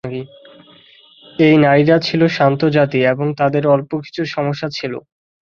এই নারীরা ছিলো শান্ত জাতি এবং তাদের অল্প কিছু সমস্যা ছিলো।